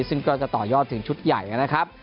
ซึ่งก็จะต่อยอดถึงชุดใหญ่นะครับ